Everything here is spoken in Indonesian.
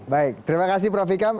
baik terima kasih prof ikam